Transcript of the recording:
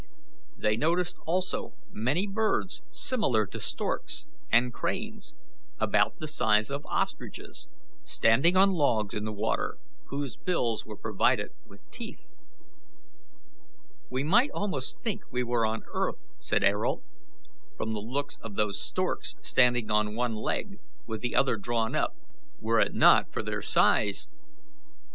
They noticed also many birds similar to storks and cranes, about the size of ostriches, standing on logs in the water, whose bills were provided with teeth. "We might almost think we were on earth," said Ayrault, "from the looks of those storks standing on one leg, with the other drawn up, were it not for their size."